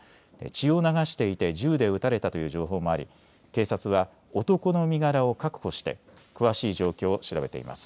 血を流していて銃で撃たれたという情報もあり警察は男の身柄を確保して詳しい状況を調べています。